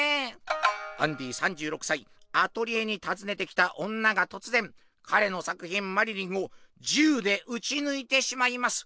アンディ３６歳アトリエに訪ねてきた女がとつぜん彼の作品「マリリン」を銃で撃ちぬいてしまいます。